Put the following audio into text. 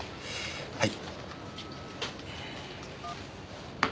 はい。